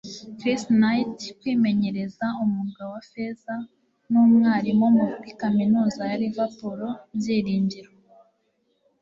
Chris Knight: Kwimenyereza umwuga wa feza n'umwarimu muri kaminuza ya Liverpool Byiringiro.